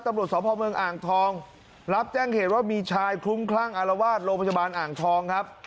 ตำรวจสพเมืองอ่างทองรับแจ้งเหตุว่ามีชายคลุ้มคลั่งอารวาสโรงพยาบาลอ่างทองครับ